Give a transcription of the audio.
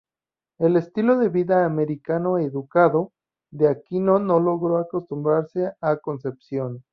El estilo de vida "americano-educado" de Aquino no logró acostumbrarse a Concepción.